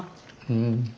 うん。